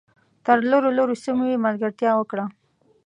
تر لرو لرو سیمو یې ملګرتیا وکړه .